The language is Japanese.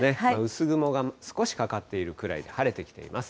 薄雲が少しかかっているぐらいで、晴れてきています。